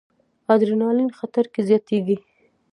ادرانالین خطر کې زیاتېږي.